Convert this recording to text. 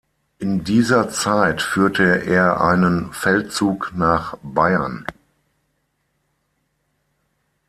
In dieser Zeit führte er einen Feldzug nach Bayern.